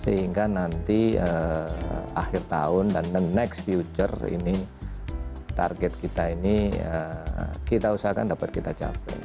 sehingga nanti akhir tahun dan the next future ini target kita ini kita usahakan dapat kita capai